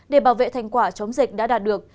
để bảo vệ thành quả chống dịch đã đạt được